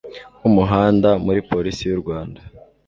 w Umuhanda muri Polisi y Igihugu